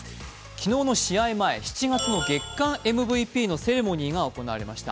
昨日の試合前、７月の月間ＭＶＰのセレモニーが行われました。